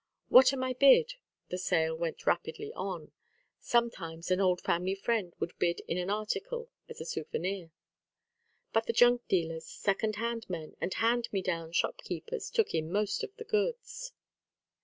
"What am I bid?" The sale went rapidly on. Sometimes an old family friend would bid in an article as a souvenir. But the junk dealers, second hand men, and hand me down shop keepers took in most of the goods.